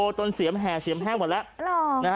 โดนเสียงแห่ถลังกว่าแล้ว